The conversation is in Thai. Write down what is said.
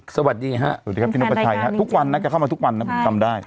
สวัสดีฮะสวัสดีครับพี่นกกระชัยฮะทุกวันนะแกเข้ามาทุกวันนะผมจำได้